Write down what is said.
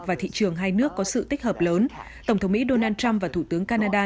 và thị trường hai nước có sự tích hợp lớn tổng thống mỹ donald trump và thủ tướng canada